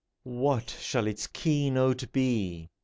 What shall its key note be